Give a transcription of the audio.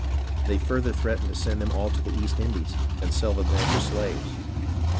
They further threatened to send them all into the East Indies, and sell them there for slaves. .